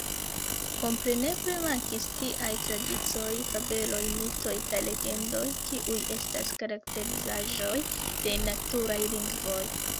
Kompreneble mankis tiaj tradicioj, fabeloj, mitoj kaj legendoj, kiuj estas karakterizaĵoj de “naturaj lingvoj.